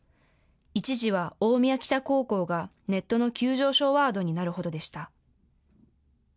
一時は大宮北高校がネットの急上昇ワードになるほどでした。